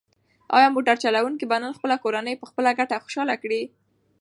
ایا موټر چلونکی به نن خپله کورنۍ په خپله ګټه خوشحاله کړي؟